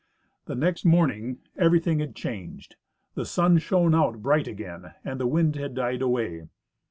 The next morning everything had changed ; the sun shone out bright again, and the wind had died away.